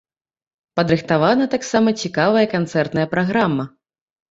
Падрыхтавана таксама цікавая канцэртная праграма.